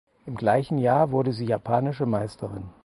Im gleichen Jahr wurde sie japanische Meisterin.